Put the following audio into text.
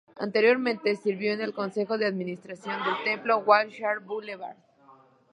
Anteriormente sirvió en el consejo de administración del Templo Wilshire Boulevard.